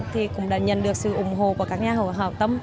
thì cũng đã nhận được sự ủng hộ của các nhà hào tâm